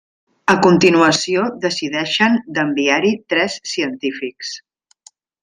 A continuació decideixen d'enviar-hi tres científics.